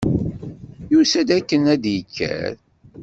Yusa-d akken ad yaker.